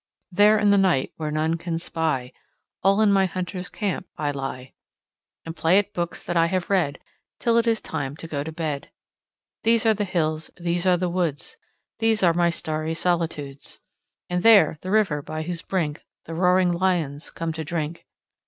There, in the night, where none can spy, All in my hunter's camp I lie, And play at books that I have read Till it is time to go to bed. These are the hills, these are the woods, These are my starry solitudes; And there the river by whose brink The roaring lions come to drink.